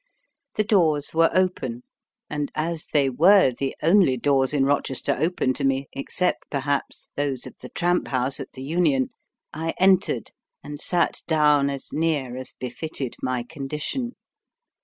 The doors were open, and as they were the only doors in Rochester open to me, except, perhaps, those of the tramp house at the Union, I entered, and sat down as near as befitted my condition.